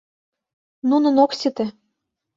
Нунын ок сите.